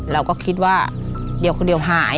เราก็คิดว่าเดี๋ยวหาย